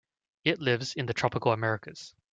It lives in the tropical Americas.